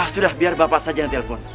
ah sudah biar bapak saja yang telpon